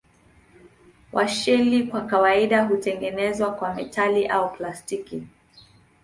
Washeli kwa kawaida hutengenezwa kwa metali au plastiki.